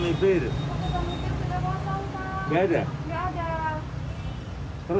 nah itu kita duduk duduk di daerah keberang